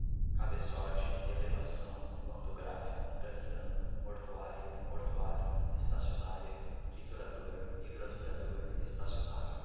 cabeçote, elevação, pantográfico, craniano, mortuária, mortuário, estacionária, triturador, hidroaspirador, estacionário